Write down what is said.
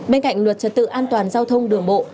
bên cạnh luật trật tự an toàn giao thông đường bộ